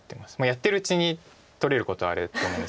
やってるうちに取れることはあると思うんですけど。